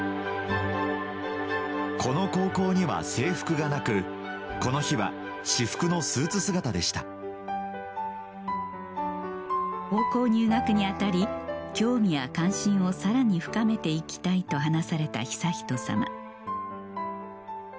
この高校には制服がなくこの日は私服のスーツ姿でした高校入学にあたり興味や関心をさらに深めて行きたいと話された悠仁さま